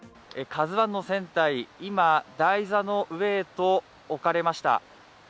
「ＫＡＺＵⅠ」の船体、今、台座の上へと置かれました。